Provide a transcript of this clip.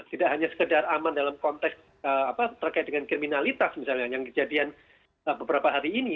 tidak hanya sekedar aman dalam konteks terkait dengan kriminalitas misalnya yang kejadian beberapa hari ini